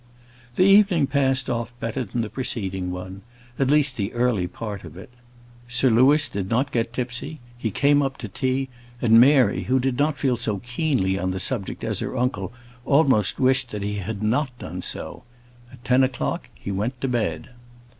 The evening passed off better than the preceding one; at least the early part of it. Sir Louis did not get tipsy; he came up to tea, and Mary, who did not feel so keenly on the subject as her uncle, almost wished that he had done so. At ten o'clock he went to bed.